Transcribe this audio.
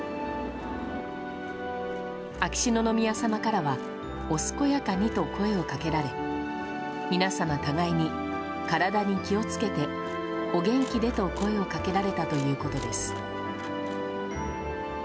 秋篠宮さまからはお健やかにと声をかけられ皆様、互いに体に気をつけてお元気でと声をかけられたということです。